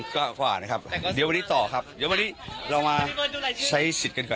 ครับสวัสดีครับไทรัสทีวีครับมาเจ็บซ้ำเลยค่ะ